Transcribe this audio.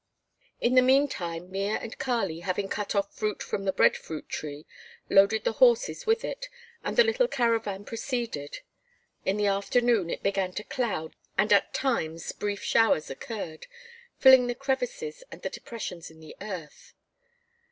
In the meantime Mea and Kali, having cut off fruit from the bread fruit tree, loaded the horses with it, and the little caravan proceeded. In the afternoon it began to cloud and at times brief showers occurred, filling the crevices and the depressions in the earth.